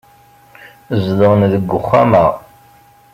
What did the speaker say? Zedɣen deg uxxam-a.